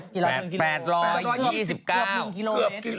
เกือบ๑กิโลเมตร